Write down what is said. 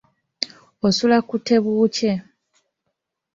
Osula ku tebuukye.